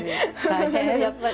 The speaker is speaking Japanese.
やっぱり。